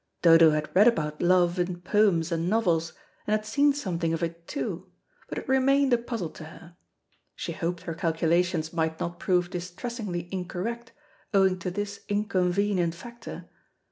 Dodo had read about love in poems and novels, and had seen something of it, too, but it remained a puzzle to her. She hoped her calculations might not prove distressingly incorrect owing to this inconvenient factor.